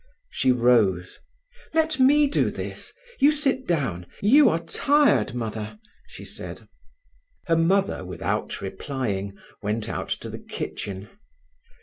She rose. "Let me do this. You sit down; you are tired, Mother," she said. Her mother, without replying, went out to the kitchen.